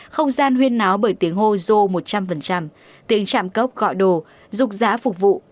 không gian huyên náo bởi tiếng hô dô một trăm linh tiếng chạm cốc gọi đồ rục giá phục vụ